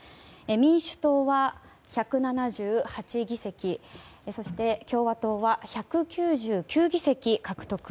民主党は１７８議席そして共和党は１９９議席獲得。